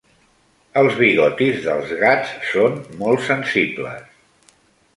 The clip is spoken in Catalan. Els bigotis dels gats són molt sensibles.